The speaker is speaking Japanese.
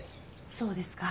そうですか。